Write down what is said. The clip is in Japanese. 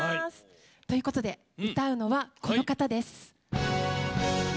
ということで、歌うのはこの方です。